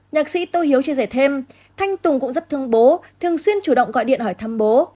nhạc sĩ tô hiếu chia sẻ thêm thanh tùng cũng rất thương bố thường xuyên chủ động gọi điện hỏi thăm bố